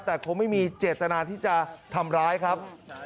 แต่คงไม่มีเจตนาที่จะทำร้ายครับ